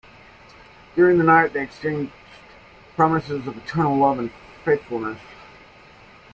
During the night, they exchanged promises of eternal love and faithfulness.